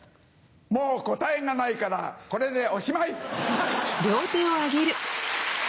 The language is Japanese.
もう答えがないからこれでおしまい！